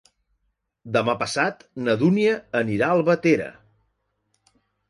Demà passat na Dúnia anirà a Albatera.